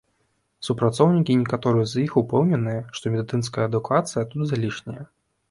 Супрацоўнікі некаторых з іх упэўненыя, што медыцынская адукацыя тут залішняя.